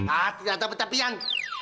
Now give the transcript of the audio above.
ah tidak ada betapian